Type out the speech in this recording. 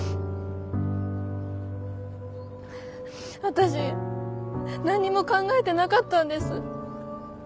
私何にも考えてなかったんです。